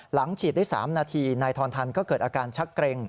ฉีดได้๓นาทีนายทอนทันก็เกิดอาการชักเกร็ง